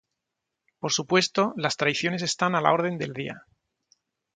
Por supuesto, las traiciones están a la orden del día.